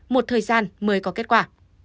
một thời gian mới có kết quả